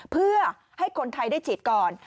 เพื่อให้คนไทยได้ฉีดก่อน